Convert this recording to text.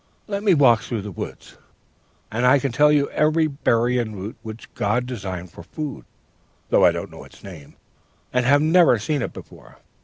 Let me walk through the woods and I can tell you every berry and root which God designed for food, though I know not its name, and have never seen it before.